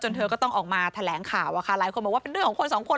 เธอก็ต้องออกมาแถลงข่าวอะค่ะหลายคนบอกว่าเป็นเรื่องของคนสองคน